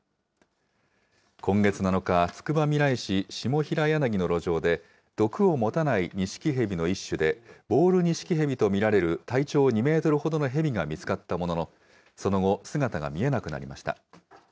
今月７日、つくばみらい市下平柳の路上で、毒を持たないニシキヘビの一種で、ボールニシキヘビと見られる体長２メートルほどのヘビが見つかったものの、その後、姿が見えなくなりました。